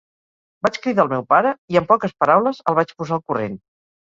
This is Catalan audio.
Vaig cridar al meu pare i, en poques paraules, el vaig posar al corrent.